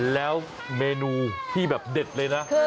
แล้วเมนูที่แบบเด็ดเลยนะ